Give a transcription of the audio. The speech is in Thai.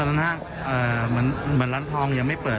แล้วก็อ้องไปข้างหลังหลังร้านเหมือนเหมือนร้านทองยังไม่เปิด